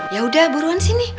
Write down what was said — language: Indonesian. ya udah buruan sini